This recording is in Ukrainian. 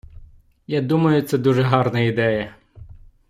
Я думаю, це дуже гарна ідея.